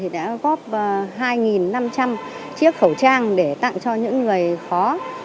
đã góp hai năm trăm linh chiếc khẩu trang để tặng cho những người khó